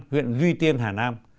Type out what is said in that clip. huyện duy tiên hà nam